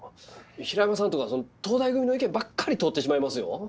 平山さんとか東大組の意見ばっかり通ってしまいますよ。